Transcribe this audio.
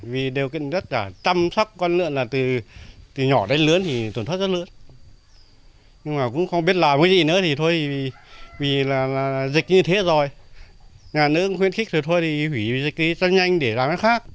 vì dịch như thế rồi nhà nước khuyến khích rồi thôi thì hủy dịch đi cho nhanh để làm cái khác